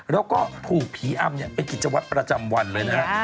แล้วก็ผูกผีอำเป็นกิจวัตรประจำวันเลยนะฮะ